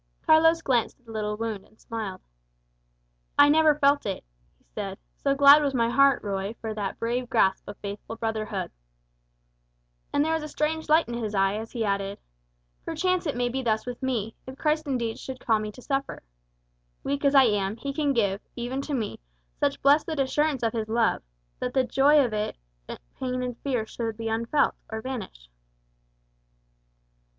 Carlos glanced at the little wound, and smiled. "I never felt it," he said, "so glad was my heart, Ruy, for that brave grasp of faithful brotherhood." And there was a strange light in his eye as he added, "Perchance it may be thus with me, if Christ indeed should call me to suffer. Weak as I am, he can give, even to me, such blessed assurance of his love, that in the joy of it pain and fear shall be unfelt, or vanish."